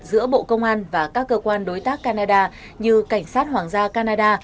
giữa bộ công an và các cơ quan đối tác canada như cảnh sát hoàng gia canada